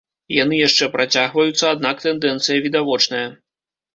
Яны яшчэ працягваюцца, аднак тэндэнцыя відавочная.